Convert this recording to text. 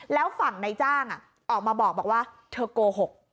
แล้วฝั่งในจ้างออกมาบอกว่าเธอโกหก